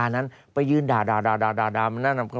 ชั่ว